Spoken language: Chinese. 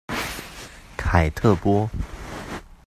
凯特波。